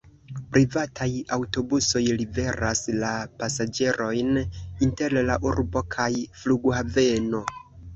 Privataj aŭtobusoj liveras la pasaĝerojn inter la urbo kaj flughaveno.